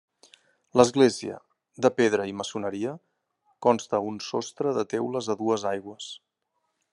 L'església, de pedra i maçoneria, consta un sostre de teules a dues aigües.